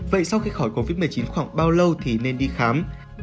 vậy sau khi khỏi covid một mươi chín khoảng bao lâu thì nên đi khám